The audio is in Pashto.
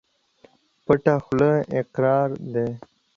پټه خوله اقرار دى.